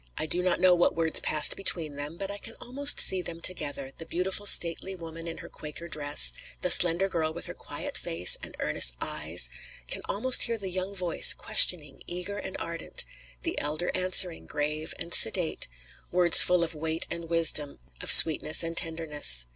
I do not know what words passed between them, but I can almost see them together, the beautiful stately woman in her Quaker dress, the slender girl with her quiet face and earnest eyes; can almost hear the young voice, questioning, eager and ardent; the elder answering, grave and sedate, words full of weight and wisdom, of sweetness and tenderness.